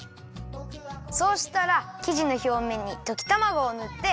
そうしたらきじのひょうめんにときたまごをぬって。